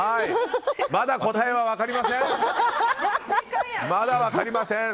まだ答えは分かりません。